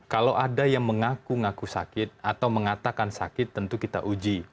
kalau ada yang mengaku ngaku sakit atau mengatakan sakit tentu kita uji